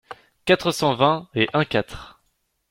quatre cent vingt et un-quatre.